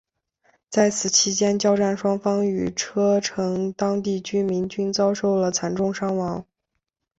在此期间交战双方与车臣当地居民均遭受了惨重伤亡。